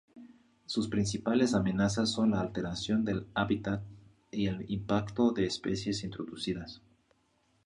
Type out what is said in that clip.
Sus principales amenazas son la alteración del hábitat y el impacto de especies introducidas.